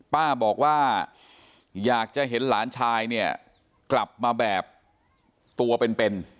ป้าบอกว่าอยากจะเห็นหลานชายเนี่ยกลับมาแบบตัวเป็น